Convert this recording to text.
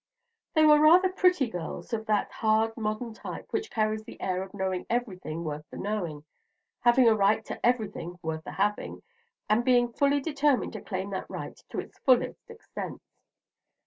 They were rather pretty girls of that hard modern type which carries the air of knowing everything worth the knowing, having a right to everything worth the having, and being fully determined to claim that right to its fullest extent.